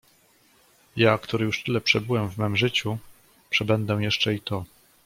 "Ja, który już tyle przebyłem w mem życiu, przebędę jeszcze i to."